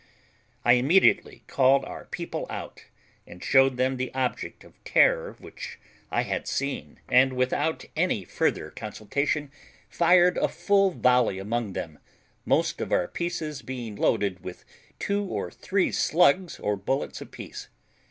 I immediately called our people out, and showed them the object of terror which I had seen, and, without any further consultation, fired a full volley among them, most of our pieces being loaded with two or three slugs or bullets apiece.